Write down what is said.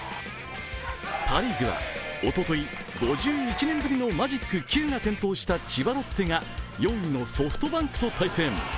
パ・リーグはおととい５１年ぶりのマジック９が点灯した千葉ロッテが４位のソフトバンクと対戦。